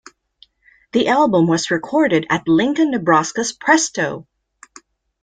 The album was recorded at Lincoln, Nebraska's Presto!